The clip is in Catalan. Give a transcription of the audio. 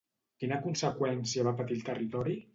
Quina conseqüència va patir el territori?